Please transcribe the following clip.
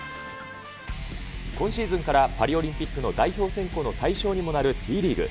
今シーズンからパリオリンピックの代表選考の対象にもなるＴリーグ。